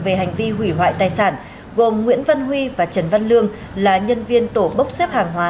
về hành vi hủy hoại tài sản gồm nguyễn văn huy và trần văn lương là nhân viên tổ bốc xếp hàng hóa